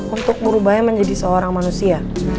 untuk berubahnya menjadi seorang manusia